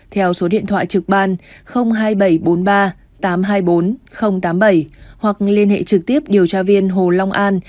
theo số điện thoại trực ban hai nghìn bảy trăm bốn mươi ba tám trăm hai mươi bốn tám mươi bảy hoặc liên hệ trực tiếp điều tra viên hồ long an